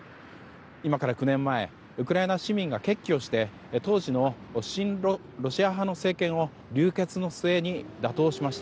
今から９年前ウクライナ市民が決起をして当時の親ロシア派の政権を流血の末に打倒しました。